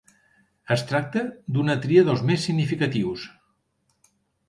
Es tracta d'una tria dels més significatius.